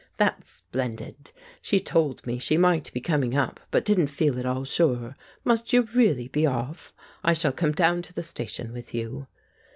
"That's splendid. She told me she might be coming up, but didn't feel at all sure. Must you really be off? I shall come down to the station with you."